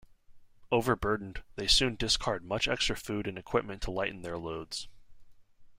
Overburdened, they soon discard much extra food and equipment to lighten their loads.